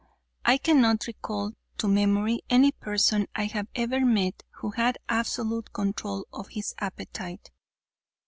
I cannot recall to memory any person I have ever met who had absolute control of his appetite.